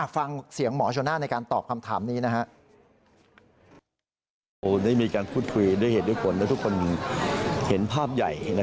ฟังเสียงหมอชน่าในการตอบคำถามนี้นะครับ